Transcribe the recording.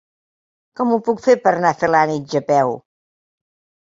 Com ho puc fer per anar a Felanitx a peu?